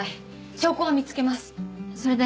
証拠は見つけますそれで。